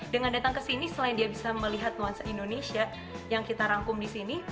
dengan datang ke sini selain dia bisa melihat nuansa indonesia yang kita rangkum di sini